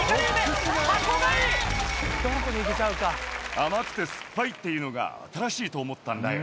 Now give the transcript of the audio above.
甘くて酸っぱいっていうのが、新しいと思ったんだよ。